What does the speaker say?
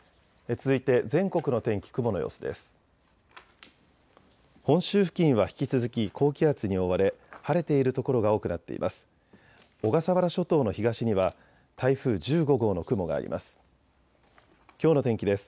続いて全国の天気、雲の様子です。